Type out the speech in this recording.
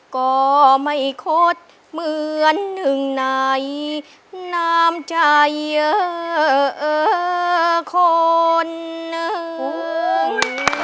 ก็ไม่คดเหมือนหนึ่งในน้ำใจคนหนึ่ง